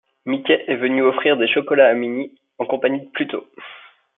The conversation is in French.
Mickey est venu offrir des chocolats à Minnie, en compagnie de Pluto.